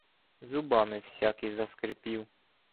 Зубами всякий заскрипів.